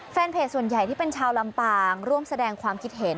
แฟนเพจส่วนใหญ่ที่เป็นชาวลำปางร่วมแสดงความคิดเห็น